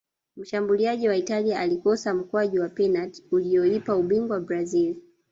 mshabuliaji wa italia alikosa mkwaju wa penati ulioipa ubingwa brazil